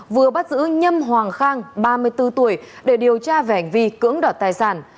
vừa bắt giữ nhâm hoàng khang ba mươi bốn tuổi để điều tra về hành vi cưỡng đoạt tài sản